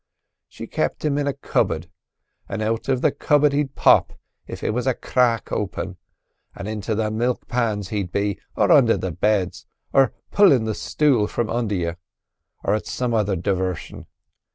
She kept him in a cupboard, and out of the cupboard he'd pop if it was a crack open, an' into the milk pans he'd be, or under the beds, or pullin' the stool from under you, or at some other divarsion.